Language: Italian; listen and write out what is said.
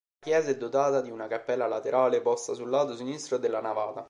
La chiesa è dotata di una cappella laterale posta sul lato sinistro della navata.